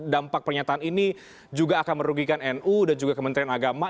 dampak pernyataan ini juga akan merugikan nu dan juga kementerian agama